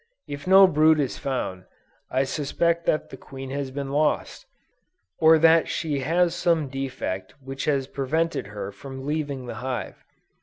If no brood is found, I suspect that the queen has been lost, or that she has some defect which has prevented her from leaving the hive.